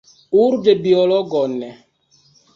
Urĝe biologon!